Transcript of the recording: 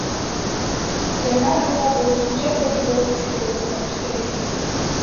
Жана буга болушунча көбүрөөк күчтөрдү тартыш керек.